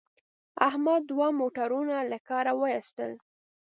احمد دوه موټرونه له کاره و ایستل.